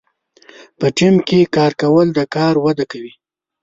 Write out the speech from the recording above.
په ټیم کې کار کول د کار وده کوي.